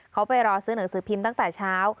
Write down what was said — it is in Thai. เขาไปรอซื้อหนังสือพิมพ์ตั้งแต่เช้า